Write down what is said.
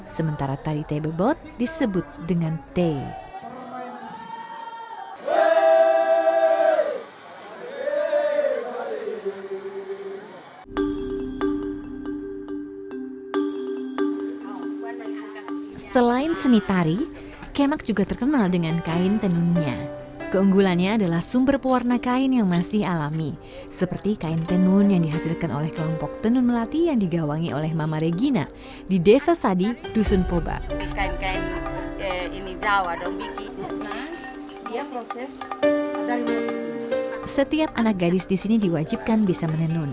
sementara tari tebebot disebut dengan te